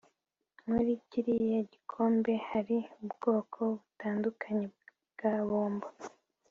Muri kiriya gikombe hari ubwoko butandukanye bwa bombo